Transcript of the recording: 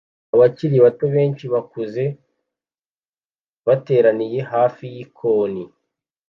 Abakiri bato benshi bakuze bateraniye hafi yikoni